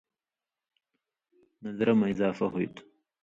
نظرہ مہ اضافہ ہُوئ تُھو۔